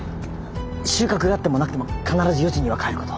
収穫があってもなくても必ず４時には帰ること。